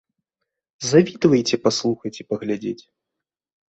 Завітвайце паслухаць і паглядзець!